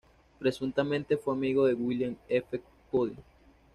Presuntamente fue amigo de William F. Cody.